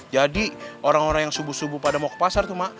jadi orang orang yang subuh subuh pada mau ke pasar tuh ma